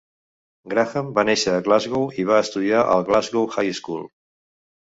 Graham va néixer a Glasgow i va estudiar al Glasgow High School.